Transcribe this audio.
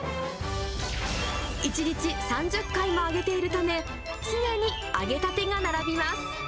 １日３０回も揚げているため、常に揚げたてが並びます。